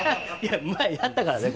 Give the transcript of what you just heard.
前やったからね。